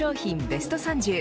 ベスト３０